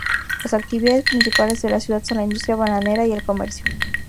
Las actividades principales de la ciudad son la industria bananera y el comercio.